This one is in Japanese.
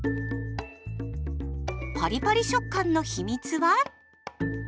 パリパリ食感の秘密は？